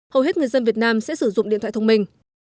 hầu hết người dân việt nam sẽ sử dụng điện thoại thông minh